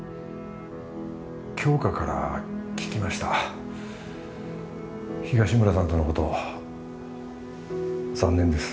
杏花から聞きました東村さんとのこと残念です